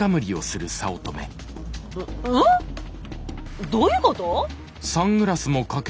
ん？どういうこと？